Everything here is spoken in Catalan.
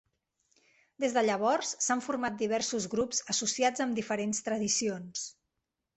Des de llavors, s'han format diversos grups associats amb diferents tradicions.